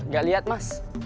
gak liat mas